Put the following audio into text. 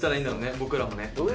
僕らもね。